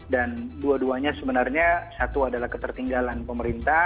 dan dua duanya sebenarnya satu adalah ketertinggalan pemerintah